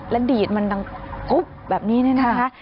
แล้วดีดมันแบบนี้นี่นะคะ